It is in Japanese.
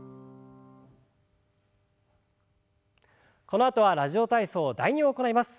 このあとは「ラジオ体操第２」を行います。